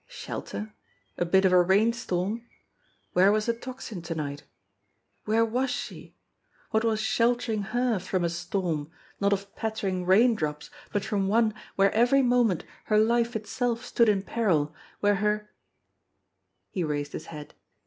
Shelter! A bit of a rain storm! Where was the Tocsin to night ? Where was she ? What was sheltering her from a storm, not of pattering rain drops, but from one where every moment her life itself stood in peril, where her BEGGAR PETE 109 He raised his head.